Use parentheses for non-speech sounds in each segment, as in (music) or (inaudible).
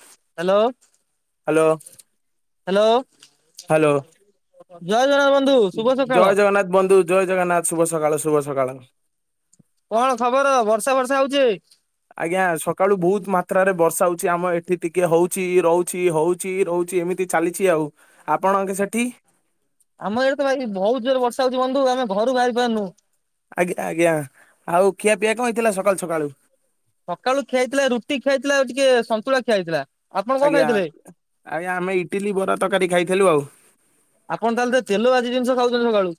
Hello. Hello. Hello. (inaudible) Hello, ଜୟ ଜଗନ୍ନାଥ ବନ୍ଧୁ ଶୁଭ ସକାଳ। ଜୟ ଜଗନ୍ନାଥ ବନ୍ଧୁ ଜୟ ଜଗନ୍ନାଥ ଶୁଭ ସକାଳ ଶୁଭ। (unintelligible) କଣ ଖବର? ବର୍ଷା ଫର୍ଷା ହଉଚି। ଆଜ୍ଞା, ସକାଳୁ ବହୁତ ମାତ୍ରାରେ ବର୍ଷା ହଉଛି ଆମ ଏଠି ଟିକେ ହଉଚ ରହୁଛି ହଉଛି ରହୁ ଚି। ଏମିତି ଚାଲିଛି ଆଉ। ଆପଣଙ୍କ ସେଠି। ଆମ ଏଆଡେ ତ ଭାଇ ବହୁତ ଜୋର ବର୍ଷା ହଉଛି ବନ୍ଧୁ ଆମେ ଘରୁ ବାହାରି ପାରୁନୁ। ଆଜ୍ଞା ଆଜ୍ଞା। ଆଉ ଖିଆ ପିଆ କଣ ହେଇଥିଲା ସକାଳୁ ସକାଳୁ? ସକାଳୁ ଖିଆହେଇଥିଲା ରୁଟି ଖିଆହେଇଥିଲା ଟିକେ ସନ୍ତୁଳା ଖିଆହେଇଥିଲା। ଆଜ୍ଞା ଆଜ୍ଞା। ଆମେ ଇଟିଲି ବରା ତରକାରୀ ଖାଇଥିଲୁ ଆଉ। ଆପଣ ତାହେଲେ ତ ତେଲ ଭାଜି ଜିନିଷ ଖାଉଛନ୍ତି ସକାଳୁ।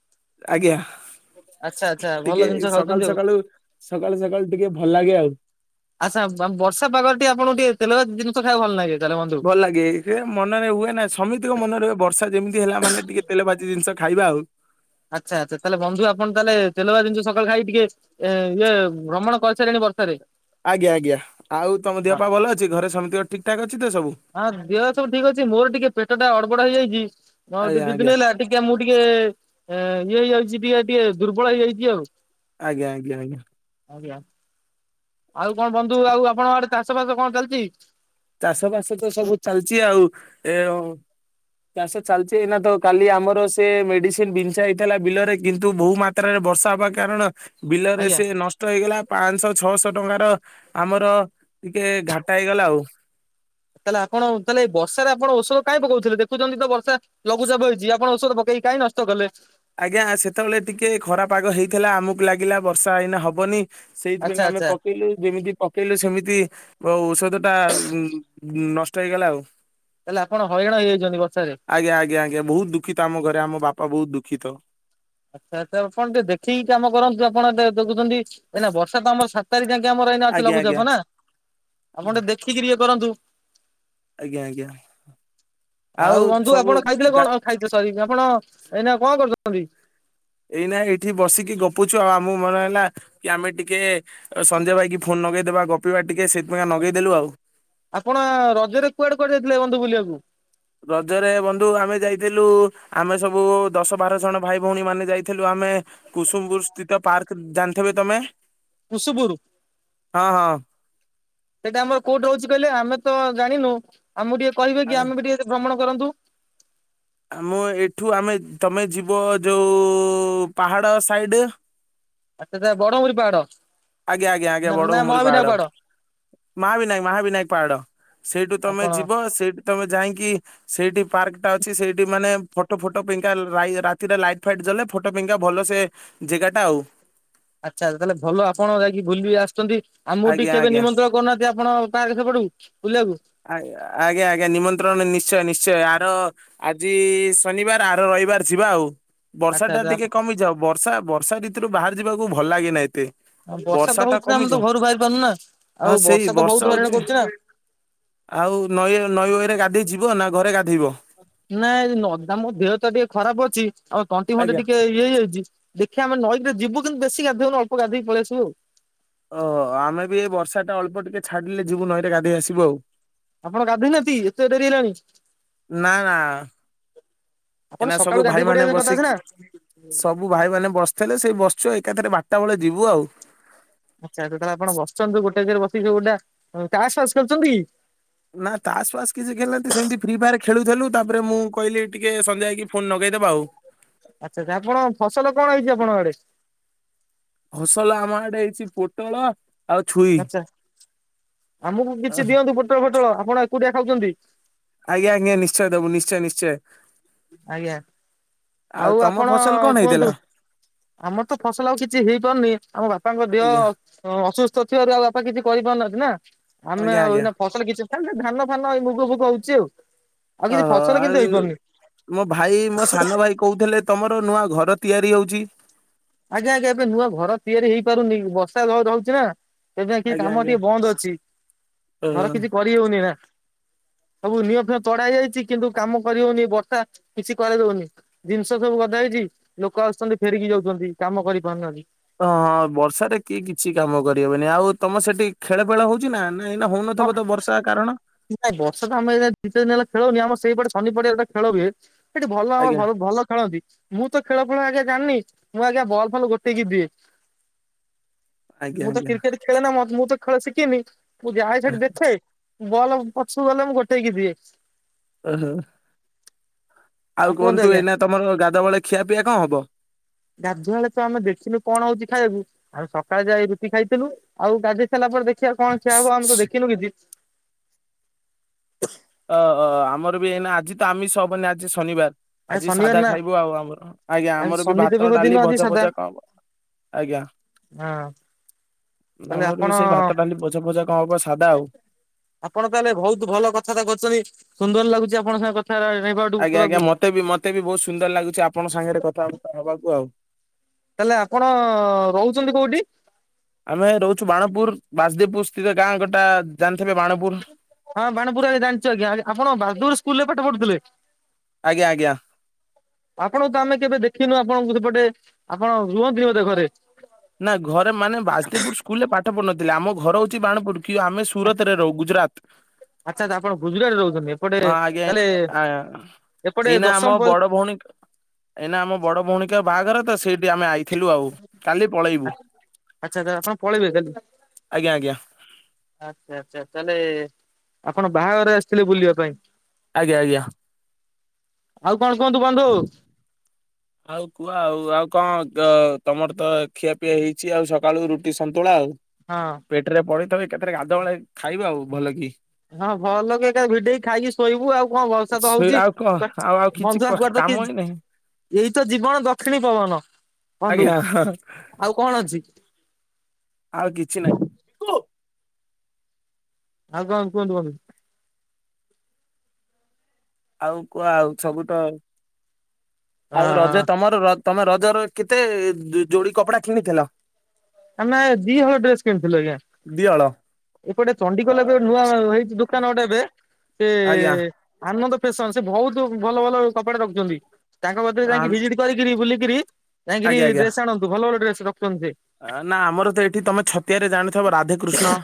ଆଜ୍ଞା ଆଚ୍ଛା ଆଚ୍ଛା ଟିକେ ଭଲ ଜିନିଷ ସକାଳୁ ଖାଉଛନ୍ତି ଆଉ। ସକାଳୁ ସକାଳୁ ସକାଳୁ ଟିକେ ଭଲ ଲାଗେ ଆଉ ଆଚ୍ଛା। ବର୍ଷା ପାଗରେ ଟିକେ ଆପଣଙ୍କୁ ଟିକେ ତେଲ ଭାଜି ଜିନିଷ ଖାଇବାକୁ ଭଲ ଲାଗେ। ତାହେଲେ ବନ୍ଧୁ। ଭଲ ଲାଗେ। ସେ ମନରେ ହୁଏ ନା ସମିତିଙ୍କ ମନ ର ହୁଏ ବର୍ଷା ଯେମିତି ହେଲା ମାନେ ଟିକେ ତେଲ ଭାଜି ଜିନିଷ ଖାଇବା ଆଉ। ଆଚ୍ଛା ଆଚ୍ଛା। ତାହେଲେ ବନ୍ଧୁ ଆପଣ ତାହେଲେ ତେଲ ଭାଜି ଜିନିଷ ସକାଳୁ ଖାଇ ଟିକେ ଇଏ ଭ୍ରମଣ କରିସାରିଲେଣି ବର୍ଷାରେ ଆଜ୍ଞା ଆଜ୍ଞା। ଆଉ ତମ ହଁ ଦିଅ ପା ଭଲ ଅଛି। ଘରେ ସେମିତି ଠିକ ଠାକ ଅଛି ତ ସବୁ? ହଁ ଦେହ ସବୁ ଠିକ ଅଛି। ମୋର ଟିକେ ପେଟ ଟା ଗଡବଡ ହେଇଯାଇଚି। ମୁଁ ଆଉ ଆଜ୍ଞା ଦି ଦି ଆଜ୍ଞା ଦିନ ହେଲା ଟିକେ ମୁଁ ଟିକେ ଇଏ ହେଇଯାଉଚି। ଦିହ ଟିକେ ଦୁର୍ବଳ ହେଇଯାଇଛି ଆଉ। ଆଜ୍ଞା ଆଜ୍ଞା ଆଜ୍ଞା। ଆଜ୍ଞା। ଆଉ କଣ ବନ୍ଧୁ ଆଉ ଆପଣଙ୍କ ଆଡେ ଚାଷ ବାସ କଣ ଚାଲିଚି? ଚାଷ ବାସ ତ ସବୁ ଚାଲିଛି ଆଉ। ଏ ଚାଷ ଚାଲିଚି ଏଇନା ତ କାଲି ଆମର ସେ ମେଡିସିନ ବିଛା ହେଇଥିଲା ବିଲରେ କିନ୍ତୁ ବହୁ ମାତ୍ରାରେ ବର୍ଷା ହବା କାରଣ ବିଲରେ ଆଜ୍ଞା ସେ ନଷ୍ଟ ହେଇଗଲା ପାଞ୍ଚଶହ ଛଅଶହ ଟଙ୍କାର ଆମର ଟିକେ ଘାଟା ହେଇଗଲା ଆଉ। ତାହେଲେ ଆପଣ ତାହେଲେ ଏ ବର୍ଷାରେ ଆପଣଔଷଧ କାଇଁ ପକଉଥିଲେ। ଦେଖୁଛନ୍ତି ତ ବର୍ଷା ଲଘୁଚାପ ହେଇଛି ଆପଣ ଔଷଧ ପକେଇ କାହିଁ ନଷ୍ଟ କଲେ। ଆଜ୍ଞା। ସେତେବେଳେ ଟିକେ ଖରା ପାଗ ହେଇଥିଲା। ଆମକୁ ଲାଗିଲା ବର୍ଷା ଏଇନା ହବନି। ସେଇଥିପାଇଁ ଆଚ୍ଛା କା ଆମେ ଆଚ୍ଛା ପକେଇଲୁ ଯେମିତି ପକେଇଲୁ ସେମିତି ଔଷଧ ଟା ଉ ନଷ୍ଟ ହେଇଗଲା ଆଉ। ତାହେଲେ ଆପଣ ହଇରାଣ ହେଇଯାଇଛନ୍ତି ବର୍ଷାରେ। ଆଜ୍ଞା ଆଜ୍ଞା ଆଜ୍ଞା। ବହୁତ ଦୁଃଖିତ ଆମ ଘରେ ଆମ ବାପା ବୋଉ ଦୁଃଖିତ। ଆଚ୍ଛା ଆଚ୍ଛା। ଆପଣ ଟିକେ ଦେଖିକି କାମ କରନ୍ତୁ। ଆପଣ ଦେଖୁଛନ୍ତି ଏ ବର୍ଷା ତ ଆମର ସାତ ତାରିଖ ଯା ଆମର ଏଇନା ଅଛି ଆଜ୍ଞା ଲଘୁଚାପ ଆଜ୍ଞା। ନା। ଆପଣ ଟିକେ ଦେଖିକିରି ଇଏ କରନ୍ତୁ। ଆଜ୍ଞା ଆଜ୍ଞା ଆଉ ବନ୍ଧୁ ସବୁ ଆପଣ ଖାଇଥିଲେ ଗା କଣ? ଖାଇଥିଲେ। (unintelligible) ଆପଣ ଏଇନା କଣ କରୁଛନ୍ତି? ଏଇନା ଏଇଠି ବସିକି ଗପୁଚୁ ଆଉ। ଆମକୁ ମନେ ହେଲା କି ଆମେ ଟିକେ ସଞ୍ଜୟ ଭାଇକି ଫୋନ ନଗେଇଦବା ଗପିବା ଟିକେ। ସେଥିପାଇଁ ନଗେଇଦେଲୁ ଆଉ। ଆପଣ ରଜରେ କୁଆଡେ କୁଆଡେ ଯାଇଥିଲେ ବନ୍ଧୁ ବୁଲିବାକୁ ରଜରେ ବନ୍ଧୁ ଆମେ ଯାଇଥିଲୁ ଆମେ ସବୁ ଦଶ ବାର ଜଣ ଭାଇ ଭଉଣୀ ମାନେ ଯାଇ ଥିଲୁ ଆମେ କୁସୁମପୁର ସ୍ଥିତ ପାର୍କ ଜାଣିଥିବେ ତମେ? ପସୁପରୁ। ହଁ ହଁ। ସେଇଟା ଆମର କୋଉଠି ରହୁଛି କହିଲେ ଆମେ ତ ଜାଣିନୁ ଆମକୁ ଟିକେ କହିବେ କି ଆମେ ଟିକେ ଭ୍ରମଣ କରନ୍ତୁ। ଆମ ଏଇଠୁ ଆମେ- ତମେ ଯିବ ଯୋଉ ପାହାଡ ସାଇଡ ଆଛା ବଡମରି ପାହାଡ? ଆଜ୍ଞା ଆଜ୍ଞା ଆଜ୍ଞା ନା ବଡଘୁମୁର ମହାବିନାୟକ ପାହାଡ। ମହାବିନାୟକ ମହାବିନାୟକ ପାହାଡ ସେଇଠୁ ତମେ ଆପଣ ଯିବ ସେଇଠୁ ତମେ ଯାଇକି ସେଇଠି ପାର୍କ ଟା ଅଛି ସେଇଠି ମାନେ ଫଟୋ ଫଟୋ ପାଇଁ କା ରାତିରେ ଲାଇଟ ଫାଇଟ ଜଳେ ଫଟୋ ପାଇଁ କା ଭଲ ସେ ଯେଗାଟା ଆଉ। ଆଚ୍ଛା ତାହେଲେ ଭଲ ଆପଣ ଯାଇକି ବୁଲି ଆସିଛନ୍ତି ଆମକୁ ଟିକେ ଆଜ୍ଞା କେବେ ଆଜ୍ଞା ନିମନ୍ତ୍ରଣ କରୁନାହାନ୍ତି? ଆପଣ ତା ଦେଖ ପଡଛି। ଆଜ୍ଞା ଆଜ୍ଞା ନିମନ୍ତ୍ରଣ ନିଶ୍ଚୟ ନିଶ୍ଚୟ ଆର୍ ଆର ଆଜି ଶନିବାର ଆର ରଇବାର ଯିବା ଆଉ। ବର୍ଷା ଆଚ୍ଛା ଟା ଆଚ୍ଛା। ଟିକେ କମିଯାଉ ବର୍ଷା ବର୍ଷା ଋତୁରୁ ବାହାର ଯିବାକୁ ଭଲ ଲାଗେନା ଏତେ। ବର୍ଷା ତ ଟା ହଉଛି ନା ଆମେ ତ କମିଯାଉ ଘରୁ ବାହାରି ପାରୁନୁ ନା ହଁ ଆଉ ସେଇ ବର୍ଷା ତ ବହୁତ ହଇରାଣ ହଉଛି କରୁଛି ନା। ଆଉ ନଈ ନଈରେ ଗାଧୋଇ ଯିବ ନା ଘରେ ଗାଧୋଇବ? ନାଇଁ ଆମ ଦେହ ତ ଟିକେ ଖରାପ ଅଛି ଆଉ ତଣ୍ଟି ଆଜ୍ଞା। ଫଣ୍ଟି ଟିକେ ଇଏ ହେଇଯାଇଛି ଦେଖ୍ ଦେଖିଆ ଆମେ ନଈ କୁ ଯିବୁ କିନ୍ତୁ ବେଶୀ ଗାଧୋଇ ବୁନୁ ଅଳ୍ପ ଗାଧୋଇ ପଳେଇ ଆସିବୁଆଉ। ଓ ଆମେ ବି ଏ ବର୍ଷା ଟା ଅଳ୍ପ ଟିକେ ଛାଡିଲେ ଯିବୁ ନଈରେ ଗାଧେଇ ଆସିବୁ ଆଉ। ଆପଣ ଗାଧୋଇନାହାନ୍ତି ଏତେ ଡେରି ହେଲାଣି? ନା ନା ଆପଣ ଏଇନା ସକାଳୁ ସବୁ ଗାଧୋଇ ଭାଇ ମାନେ ପଡିବା କଥା ସିନା ବସିକି- ସବୁ ଭାଇ ମାନେ ବସିଥିଲେ ସେଇ ବସିଚୁ ଏକାଥରେ ବାଟ ଟା ବେଳେ ଯିବୁ ଆଉ। ଆଚ୍ଛା ଯେତେବେଳେ ଆପଣ ବସଛନ୍ତି ଗୋଟେ ଜାଗା ରେ ବସି କି ଗୋଟା ତାସ୍ ଫାସ୍ ଖେଳୁଛନ୍ତି କି? ନା ତାସ୍ ଫାସ୍ କିଛି ଖେଳିନାହାନ୍ତି ସେମିତି ଫ୍ରି ଫାୟାର୍ ଖେଳୁଥିଲୁ ତାପରେ ମୁଁ କହିଲି ଟିକେ ସଞ୍ଜ ହେଇକି ଫୋନ ଲଗେଇ ଦବା ଆଉ। ଆଚ୍ଛା ଆଛା ଆପଣ ଫସଲ କଣ ହେଇଛି ଆପଣଙ୍କ ଆଡେ? ଫସଲ ଆମ ଆଡେ ହେଇଛି ପୋଟଳ ଆଉ ଛୁଇଁ। ଆଚ୍ଛା ଆମକୁ କିଛି ଦିଅନ୍ତୁ ପୋଟଳ ଫୋଟଳ ଆପଣ ଏକୁଟିିଆ ଖାଉଛନ୍ତି। ଆଜ୍ଞା ଆଜ୍ଞା ନିଶ୍ଚୟ ଦବୁ ନିଶ୍ଚୟ ନିଶ୍ଚୟ। ଆଜ୍ଞା ଆଉ ତମ ଆପଣ ଫସଲ କଣ କୁହନ୍ତୁ। ହେଇଥିଲା? ଆମର ତ ଫସଲ ଆଉ କିଛି ହେଇପାରୁନି ଆମ ବାପାଙ୍କ ଦେହ ଆଜ୍ଞା ଅସୁସ୍ଥ ଥିବାରୁ ଆଉ ବାପା କିଛି କରିପାରୁ ନାହାନ୍ତି। ନା ଆମେ ଆଜ୍ଞା ଆଉ ଆଜ୍ଞା ଏଇନା ଫସଲ କିଛି ଧାନ ଫାନ ଏଇ ମୁଗ ଫୁଗ ହଉଛି ଆଉ। ଆଉ କିଛି ଓହୋ ଫସଲ ଆଉ କିନ୍ତୁ ହେଇପାରୁନି। ମୋ ଭାଇ ମୋ ସାନ ଭାଇ କହୁଥିଲେ ତମର ନୂଆ ଘର ତିଆରି ହଉଛି। ଆଜ୍ଞା ଆଜ୍ଞା ଏବେ ନୂଆ ଘର ତିଆରି ହେଇପାରୁନି ବର୍ଷା ଧର ରହୁଛି ନା। ତେବେ ଯାଇ କି ଆଜ୍ଞା କାମ ଆଜ୍ଞା। ଟିକେ ବନ୍ଦ ଅଛି ଓହୋ। ଘର କିଛି କରିହଉନି ନା। (inaudible) ସବୁ ନିଅ ଫିଅ ତଡାହେଇ ଯାଇଛି କିନ୍ତୁ କାମ କରି ହଉନି ବର୍ଷା କିଛି କରେଇ ଦଉନି ଜିନିଷ ସବୁ ଗଦାହେଇ ଛି ଲୋକ ଆସୁଛନ୍ତି ଫେରିକି ଯାଉଛନ୍ତି କାମ କରିପାରୁନାହାନ୍ତି। ହ ହଁ ବର୍ଷାରେ କିଏ କିଛି କାମ କରିହେବନି ଆଉ ତମ ସେଠି ଖେଳ ଫେଳ ହଉଛି ନା? ନା ଏଇନା ହଁ ହଉନଥିବ ତ ବର୍ଷା କାରଣ ନାଇଁ ବର୍ଷା ତା ଆମେ ଦି ଚ଼ାରି ଦିନ ହେଲା ଖେଳ ହେଇନି ଆମ ସେଇପଟେ ଶନିପଡିଆ ଗୋଟେ ଖେଳ ହୁଏ ସେଠି ଭଲ ଆଜ୍ଞା ଆମ ଭଲ ଖେଳନ୍ତି ମୁଁ ତ ଖେଳ ଫେଳ ଆଗ ଜାଣିନି ମୁଁ ଆଜ୍ଞା ବଲ୍ ଫଲ ଗୋଟେଇକି ଦିଏ। ଆଜ୍ଞା ମୁଁ ତ ଆଜ୍ଞା କ୍ରିକେଟ ଖେଳେ ନା ମତେ ମୁଁ ତ ଖେଳ ଶିଖିନି ମୁଁ ଯାଏ ସେଠି ଦେଖେ ବଲ ପଛୁକୁ ଗଲେ ମୁଁ ଗୋଟେଇକି ଦିଏ। ଓହୋ। ଆଉ କୁହନ୍ତୁ ଏଇନା ତମର ଗାଧୁଆ ବେଳେ ଖିଆ ପିଆ କଣ ହବ? ଗାଧୁଆଳେ ତ ଆମେ ଦେଖିନୁ କଣ ହଉଛି ଖାଇବାକୁ ଆମେ ସକାଳେ ଯାଇ ରୁଟି ଖାଇଥିଲୁ ଆଉ ଗାଧୋଇ ସାରିଲା ପରେ ଦେଖ (unintelligible) କଣ (unintelligible) ହବ ଆମେ ତ ଦେଖିନୁ କିଛି ଓହ ଆମର ବି ଏଇନା ଆଜି ତ ଆମିଷ ହବନି ଆଜି ଶନିବାର। ଆଜି ଶନିବାର ସାଧା ନା ଖାଇବୁ ଆଉ ଆମର ଆଜ୍ଞା ଆଜି ଆମର ବି ଶନି ଭାତ ଦେବଙ୍କ ଦିନ ଡାଲି ଆଜି ଭଜା ସାଧା ଫଜା କଣ ହବ ଆଜ୍ଞା। ହଁ ତାହେଲେ ଆମର ଆପଣ ବି ସେଇ ଭାତଡାଲି ଭଜା ଫଜା କଣ ହବ ସାଧା ଆଉ। ଆପଣ ତାହେଲେ ବୋହୁତ ଭଲ କଥାତ କରୁଛନ୍ତି। ସୁନ୍ଦର ଲାଗୁଛି ଆପଣଙ୍କ ସାଙ୍ଗେ (unintelligible) କଥା ଆଜ୍ଞା ଆଜ୍ଞା ହେବାକୁ। ମତେ ବି ବୋହୁତ ସୁନ୍ଦର ଲାଗୁଛି ଆପଣଙ୍କ ସାଙ୍ଗରେ କଥାବାର୍ତ୍ତା ହବାକୁ ଆଉ। ତାହେଲେ ଆପଣ ରହୁଛନ୍ତି କୋଉଠି? ଆମେ ରହୁଛୁ ବାଣପୁର ବାସଦେବପୁର ସ୍ଥିତ ଗାଁ ଗୋଟା ଜାନ୍ ହଁ ବାଣପୁର ଆଜ୍ଞା ଜାଣିଛୁ ଆଜ୍ଞ ଆପଣ ବାଗଦୁର ସ୍କୁଲରେ ପାଠ ପଢ଼ୁଥିଲେ। ଆଜ୍ଞା ଆଜ୍ଞା ଆପଣଙ୍କୁ ତ ଆମେ କେବେ ଦେଖିନୁ ଆପଣଙ୍କୁ ସେପଟେ ଆପଣ ରୁହନ୍ତିନି ବୋଧେ ଘରେ। ନା ଘରେ ମାନେ ବାସଦେଇପୁର ସ୍କୁଲ ରେ ପାଠ ପଢୁନଥିଲେ ଆମ ଘର ହଉଛି ବାଣପୁର କି ଆମେ ସୁରତ ରେ ରହୁ ଗୁଜୁରାତ। ଆଛା ତ ଆପଣ ଗୁ ଗୁଜୁରାଟ ରହୁଛନ୍ତି ଏପଟେ ହଁ ଆଜ୍ଞା ତାହଲେ ଆ ଏପଟେ ଏଇନା ଆମ ଦଶମ ପ ବଡ ଭଉଣୀ ଏଇନା ଆମ ବଡ ଭଉଣୀଙ୍କ ବାହାଘର ତ ସେଇଠି ଆମେ ଆଇଥିଲୁ ଆଉ। କାଲି ପଳେଇବୁ ଆଚ୍ଛା ଆଚ୍ଛା ଆପଣ ପଳେଇବେ କାଲି। ଆଜ୍ଞା ଆଜ୍ଞା ଆଚ୍ଛା ଆଚ୍ଛା ତାହେଲେ ଆପଣ ବାହାଘରରେ ଆସିଥିଲେ ବୁଲିବା ପାଇଁ। ଆଜ୍ଞା ଆଜ୍ଞା ଆଉ କଣ କୁହନ୍ତୁ ବନ୍ଧୁ। ଆଉ କୁହ ଆଉ ଆଉ କଣ ତ ତମର ତ ଖିଆପିଆ ହେଇଚି ଆଉ ସକାଳୁ ରୁଟି ସନ୍ତୁଳା ଆଉ। ପେଟରେ ପଡିଥିବ ଏକାଥରେ ଗାଧୁବେଳେ ଖାଇବା ଆଉ ଭଲ କି। ହଁ ଭଲ କି ଭିଡେଇକି ଖାଇକି ଶୋଇବୁ ଆଉ କଣ ବର୍ଷା ତ ଶୋଇ ହଉଛି ଆଉ କଣ ଆଉ କିଛି ବନ୍ଧୁ ଆଉ କୁଆଡ୍ ତ କିଛ (inaudible) ଏଇ ତ ଜୀବନ ଦକ୍ଷିଣୀ ପବନ ବନ୍ଧୁ ଆଜ୍ଞା ହଁ ଆଉ କଣ ଅଛି। ଆଉ କିଛି ନାହିଁ। ଆଉ କଣ କୁହନ୍ତୁ ବନ୍ଧୁ। ଆଉ କୁହ ଆଉ ସବୁତ ଆଉ ହଁ ରଜ ତମର ର ତମେ ରଜର କେତେ ଯୋଡି କପଡା କିଣିଥିଲ। ଆମେ ଦି ହଳ ଡ୍ରେସ କିଣିଥିଲୁ ଆଜ୍ଞା। ଦିହଳ ଏପଟେ ଆ, ଚଣ୍ଡିଖୋଲ ଏବେ ନୂଆ ହେଇଛି ଦୋକାନ ଗୋଟେ ଏବେ ସେ ଆଜ୍ଞା ଆନନ୍ଦ ସେ ସନ୍ ବିହୁତ ଭଲ ଭଲ କପଡା ରଖୁଛନ୍ତି ତାଙ୍କ କତୀରେ ଯାଇକି ଆମ୍- ଭିଜିଟ କରିକିରି ବୁଲିକିରି ଜାଇଁକିରି ଆଜ୍ଞା ଆଜ୍ଞା। ଡ୍ରେସ ଆଣନ୍ତୁ ଭଲ ଭଲ ଡ୍ରେସ ରଖୁଛନ୍ତି ସେ। ନା ଆମର ତ ଏଇଠି ତମେ ଛତିଆରେ ଜାଣିଥିବ ରାଧେକୃଷ୍ଣ।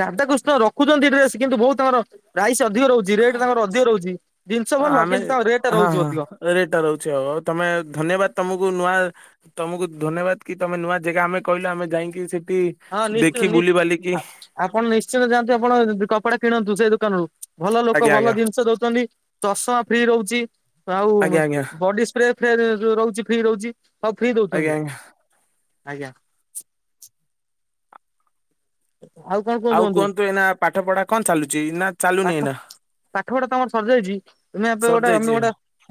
ରାଧେକୃଷ୍ଣ ରଖୁଛନ୍ତି ଡ୍ରେସ କିନ୍ତୁ ବୋହୁତ ତାଙ୍କର ପ୍ରାଇସ ଟିକେ ଅଧିକ ରହୁଚି ରେଟ୍ ତାଙ୍କର ଅଧିକ ରହୁଚି ଜିନିଷ ଭଲ ଆମେ କିନ୍ତୁ ତାଙ୍କ ରେଟଟା ହଁ ରହୁଚି ହଁ ଅଧିକ। ରେଟ୍ ଟା ରହୁଛି ଆଉ ଆଉ ତମେ ଧନ୍ୟବାଦ ତମକୁ ନୂଆ ତମକୁ ଧନ୍ୟବାଦ କି ତମେ ନୂଆ ଜାଗା ଆମେ କହିଲେ ଆମେ ଯାଇକି ସେ ହଁ ନିଶ୍ଚିନ୍ତ ନିଶ୍ ଆପ୍ ଆପଣ ନିଶ୍ଚନ୍ତ ଯାଆନ୍ତୁ ଆପଣ କପଡା କିଣନ୍ତୁ ସେଇ ଦୋକାନରୁୁ। ଭଲ ଲୋକ ଆଜ୍ଞା ଭଲ ଆଜ୍ଞା ଜିନିଷ ଦଉଛନ୍ତି ଚଷମା ଫ୍ରି ରହୁଚି। ଆଉ ଆଜ୍ଞା ଆଜ୍ଞା ବଡି ସ୍ପ୍ରେ ଫ୍ରେ ର ରହୁଛି ଫ୍ରି ରହୁଛି ସବୁ ଫ୍ରି ଆଜ୍ଞା ଦଉଛନ୍ତି। ଆଜ୍ଞା। ଆଜ୍ଞା ଆଉ କୁହନ୍ତୁ ଏଇନା ପାଠ ପଢା କଣ ଚାଲୁଚି ନା ଚାଲୁନି ଏଇନା। ପାଠପଢା ତ ଆମର ସରିଯାଇଛି ତ (unintelligible) ଏମିତି ଗୋଟେ ସରିଯାଇଛି?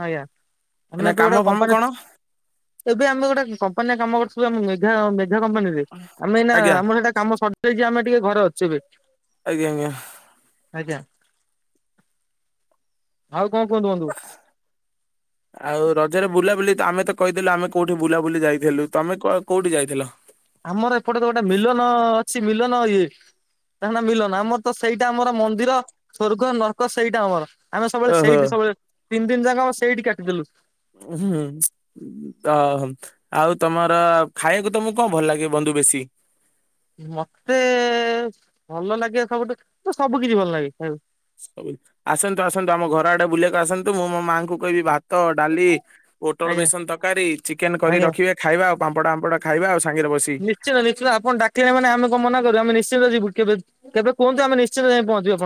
ଆଜ୍ଞା। ଆମେ ନା ଏବେ ଗୋଟେ କାମ ଫାମ କମ୍ପାନୀ କଣ? ଏବେ ଆମେ ଗୋଟେ କମ୍ପାନୀରେ କାମ କରୁଥିଲୁ ଆ (unintelligible) (unintelligible) ମେଘା କମ୍ପାନୀରେ ଆମେ ଏଇନା ଆଜ୍ଞା ଆମର ସେଟା କାମ ସରିଯାଇଛି ଆମେ ଟିକେ ଘରେ ଅଛୁ ଏବେ। ଆଜ୍ଞା ଆଜ୍ଞା ଆଜ୍ଞା (unintelligible) ଆଉ ରଜରେ ବୁଲାବୁଲି ତ ଆମେ ତ କହିଥିଲୁ ଆମେ କୋଉଠି ବୁଲାବୁଲି ଯାଇଥିଲୁ ତମେ କ୍ଵ କୋଉଠି ଯାଇଥିଲ? ଆମର ଏପଟେ ତ ଗୋଟେ ମିଲନ ଅଛି ମିଲନ ଇଏ ତା ନା ମିଲନ ଆମର ତ ସେଇଟା ଆମର ମନ୍ଦିର, ସ୍ୱର୍ଗ, ନର୍କ ସେଇଟା ଆମର। ଆମେ ସବୁବେଳେ ଓହୋ ସେଇଠି ସବୁବେଳେ, ତିନି ଦିନ ଯାକ ଆମେ ସେଇଠି କାଟିଦେଲୁ। ହୁଁ ତ ଆଉ ତମର ଖାଇବାକୁ ତମକୁ କଣ ଭଲ ଲାଗେ ବନ୍ଧୁ ବେଶୀ? ମତେ ଭଲ ଲାଗେ ସବୁଠୁ ସବୁ କିଛି ଭଲ ଲାଗେ ଖାଇବାକୁ। ଆସନ୍ତୁ ଆସନ୍ତୁ। ଆମ ଘର ଆଡେ ବୁଲେଇକୁ ଆସନ୍ତୁ ମୁଁ ମୋ ମାଆଙ୍କୁ କହିବି ବା ତ, ଡାଲି, ପୋଟଳ ଆଜ୍ଞା ବେସନ ତକାରୀ, ଚିକେନ କରି ଆଜ୍ଞା ରଖିବେ ଖାଇବା ଆଉ ପାମ୍ପଡ ଆମ୍ପଡ ଖାଇବା ଆଉ ସାଙ୍ଗରେ ବସି। ନିଶ୍ଚିନ୍ତ ନିଶ୍ଚିନ୍ତ। ଆପଣ ଡାକିଲେ ମାନେ ଆମେ କଣ ମନା କରିବୁ? ଆମେ ନିଶ୍ଚିନ୍ତ ଯିବୁ କେବେ କେବେ କୁହନ୍ତୁ ଆମେ ନିଶ୍ଚୟ ଯାଇ ପହଞ୍ଚିବା?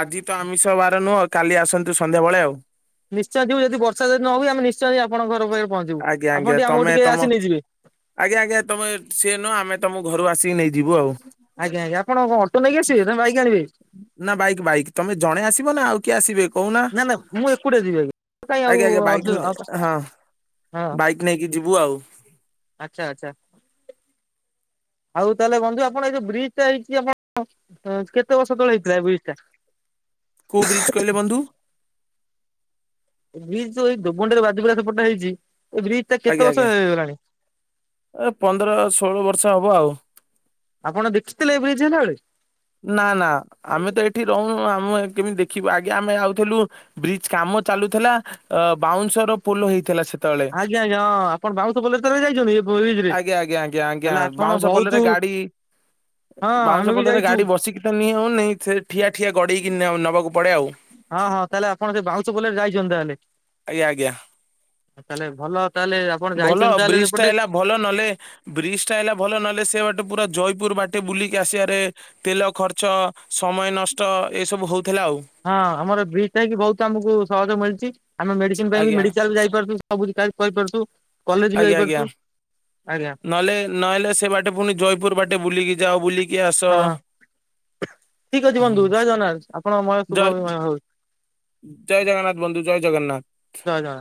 ଆଜି ତ ଆମିଷ ବାର ନୁହଁ କାଲି ଆସନ୍ତୁ, ସନ୍ଧ୍ୟାବେେଳେ ଆଉ। ନିଶ୍ଚୟ ଯିବୁ ଯଦି ବର୍ଷା ଯଦି ନ ହୁଏ, ଆମେ ନିଶ୍ଚୟ ଯାଇ ଆପଣଙ୍କ ଘର ପାଖ ପହଞ୍ଚିବୁ। ଆଜ୍ଞା ଆଜ୍ଞା ଆପଣ ଟିକେ ଆମକୁ ତମେ ଟିକେ ତମ ଆସି ନେଇଯିବେ। ଆଜ୍ଞା ଆଜ୍ଞା ତମେ ସିଏ ନୁହଁ। ଆମେ ତମକୁ ଘରୁ ଆସିକି ନେଇଯିବୁ ଆଉ। ଆଜ୍ଞା ଆଜ୍ଞା ଆପଣ କ ଅଟୋ ନେଇକି ଆସିବେ ନା ବାଇକ୍ ଆଣିବେ? ନା ବାଇକ୍ ବାଇକ୍ ତମେ ଜଣେ ଆସିବ ନା ଆଉ କିଏ ଆସିବେ କହୁନା ନା ନା ମୁଁ ଏକୁଟିଆ ଯିବି ଆଜ୍ଞା କାଇଁ ଆଉ ଆଜ୍ଞା ଆଜ୍ଞା ବାଇକ୍ ହଁ ରେ ଯାଇ ହଁ। ବାଇକ୍ ନେଇକି ଯିବୁ ଆଉ। ଆଚ୍ଛା ଆଚ୍ଛା। ଆଉ ତାହେଲେ ବନ୍ଧୁ ଆପଣ ଏଇ ଯୋଉ ବ୍ରିଜ ଟା ହେଇଛି ଆପଣ କେତେ ବର୍ଷ ତଳେ ହେଇଥିଲା ଏ ବ୍ରିଜ ଟା? କୋଉ ବ୍ରିଜ କହିଲେ ବନ୍ଧୁ? ବ୍ରିଜ୍ ଏଇ ଯୋଉ ଏଇ ଦୋବଣ୍ଡି ରେ ବାଜିଗୁରା ପୋତା ହେଇଛି ଏ ବ୍ରିଜଟା କେତେ ବର୍ଷ ହେଇଗଲାଣି? ଆରେ ପନ୍ଦର, ଷୋହଳ ବର୍ଷ ହବ ଆଉ। ଆପଣ ଦେଖିଥିଲେ ଏଇ ବ୍ରିଜ ହେଲା ବେଳେ। ନା ନା ଆମେ ତ ଏଠି ରହୁନୁ ଆମ କେମିତି ଦେଖିବୁ ଆଜ୍ଞା ଆମେ ଆଉଥିଲୁ ବ୍ରିଜ କାମ ମୁ ଚାଲୁଥିଲା ବାଉଁଶର ପୋଲ ହେଇଥିଲା ସେ ଆଜ୍ଞା ଆଜ୍ଞା ହଁ ଆପଣ ବାଉଁସ ପୋଲସ୍ତରା ରେ ଯାଇଛନ୍ତି ବୋଲିଯିବେ। ତାହେଲେ ଆପଣ ବହୁତୁ ଇ ହଁ ଆମେ ବାଉଁଶ ବି ପୋଲରେ ଗା ଯାଇଛୁ ବସିକି ତ ନିହଉନି ସେ ଠିଆ ଠିଆ ଗଡେଇକି ନ ନବାକୁ ପଡେ ଆଉ। ହଁ ହଁ ତାହେଲେ ଆପଣ ସେ ବାଉଁଶ ପୋଲରେ ଯାଇଛନ୍ତି ତାହଲେ। ଆଜ୍ଞା ଆଜ୍ଞା। ତାହେଲେ ଭଲ ତାହେଲେ ଆପଣ ଭଲ ଯାଇଛନ୍ତି ତାହେଲେ ବ୍ରିଜ ଟା ସେପଟେ ହେଲା ଭଲ ନହେଲେ ବ୍ରିଜ ଟା ହେଲା ଭଲ ନହେଲେ ସେ ପୁରା ଜୟପୁର ବାଟେ ବୁଲିକି ଆସିବାରେ ତେଲ ଖର୍ଚ୍ଚ, ସମୟ ନଷ୍ଟ ଏସବୁ ହଉ ହଁ ଆମର ବ୍ରିଜ୍ ହେଇକି ବହୁତ ଆମକୁ ସହଯୋଗ ମିଳିଛି। ଆମେ ମେଡିସିନ ପାଇଁ ବି ଆଜ୍ଞା ମେଡିକାଲ ଯାଇପାରୁଛୁ ସବୁ ପ୍ରାୟ କରିପାରୁଛୁ। କଲେଜ ବି ଆଜ୍ଞା ଆଜ୍ଞା ଯାଇପାରୁଛୁ ଆଜ୍ଞା ନହେଲେ ନହେଲେ ସେ ବାଟେ ପୁଣି ଜୟପୁର ବାଟେ ବୁଲିକି ଯାଓ ବୁଲିକି ଆସ। ଠିକ ଅଛି ହଁ। ବନ୍ଧୁ, ଜୟ ଜଗନ୍ନାଥ। ଆପଣଙ୍କ ମୟ ଜୟ ଶୁଭମୟ ହଉ। ଜୟ ଜଗନ୍ନାଥ ବନ୍ଧୁ ଜୟ ଜଗନ୍ନାଥ। ଜୟ ଜଗନ୍ନାଥ।